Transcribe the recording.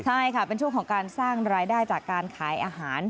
ใช่ค่ะเป็นช่วงของการสร้างรายได้จากการขายอาหาร